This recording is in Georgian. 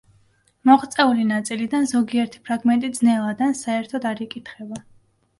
მოღწეული ნაწილიდან ზოგიერთი ფრაგმენტი ძნელად ან საერთოდ არ იკითხება.